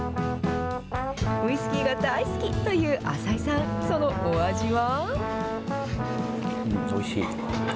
ウイスキーが大好きという浅井さん、そのお味は？